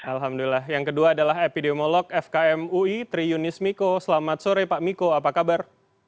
alhamdulillah yang kedua adalah epidemiolog fkm ui tri yunis miko selamat sore pak miko apa kabar